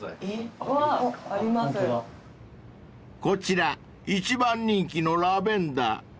［こちら一番人気のラベンダー。